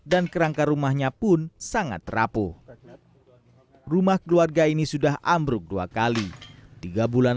kerangka rumahnya pun sangat rapuh rumah keluarga ini sudah ambruk dua kali tiga bulan